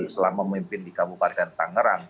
selama memimpin di kabupaten tangerang